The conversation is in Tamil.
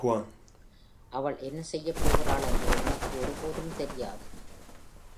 அவள் என்ன செய்யப் போகிறாள் என்று உனக்கு ஒருபோதும் தெரியாது.